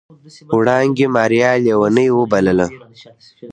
وړانګې ماريا ليونۍ وبلله.